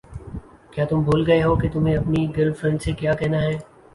کیا تم بھول گئے ہو کہ تمہیں اپنی گرل فرینڈ سے کیا کہنا ہے؟